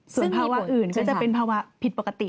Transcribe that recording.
ซึ่งภาวะอื่นก็จะเป็นภาวะผิดปกติ